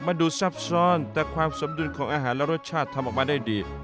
ดูซับซ้อนแต่ความสมดุลของอาหารและรสชาติทำออกมาได้ดี